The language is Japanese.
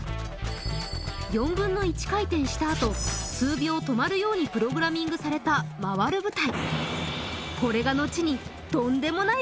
４分の１回転したあと数秒止まるようにプログラミングされた回る舞台